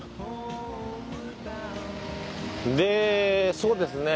でそうですね。